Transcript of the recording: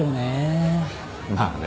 まあね。